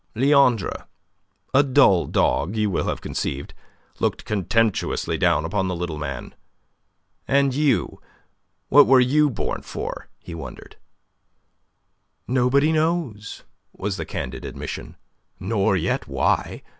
Leandre a dull dog, as you will have conceived looked contemptuously down upon the little man. "And you, what were you born for?" he wondered. "Nobody knows," was the candid admission. "Nor yet why.